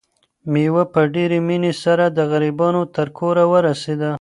مېوه په ډېرې مینې سره د غریبانو تر کوره ورسېده.